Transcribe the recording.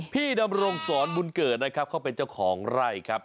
ดำรงสอนบุญเกิดนะครับเขาเป็นเจ้าของไร่ครับ